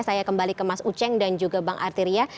saya kembali ke mas ucheng dan juga mas ucheng